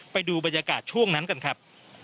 ไปดูบรรยากาศช่วงนั้นกันครับ